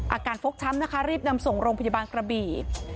ฟกช้ำนะคะรีบนำส่งโรงพยาบาลกระบี่